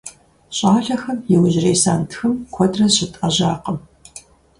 ЩIалэхэм иужьрей сэнтхым куэдрэ зыщытIэжьакъым.